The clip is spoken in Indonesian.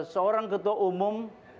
seorang ketua umum